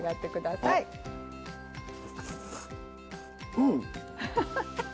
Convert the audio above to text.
うん！